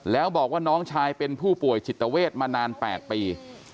แล้วบอกว่าน้องชายเป็นผู้ป่วยจิตเวทมานาน๘ปี